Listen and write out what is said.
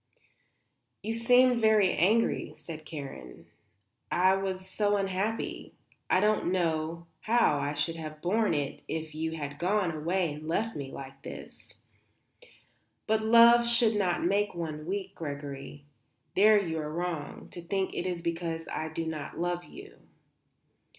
"You seemed very angry," said Karen. "I was so unhappy. I don't know how I should have borne it if you had gone away and left me like this. But love should not make one weak, Gregory. There you are wrong, to think it is because I do not love you."